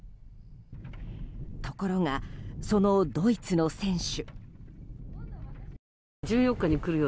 ところが、そのドイツの選手。